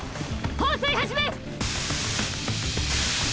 放水始め！